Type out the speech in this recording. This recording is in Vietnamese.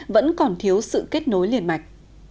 vẫn còn thiếu sự kết nối liên mạch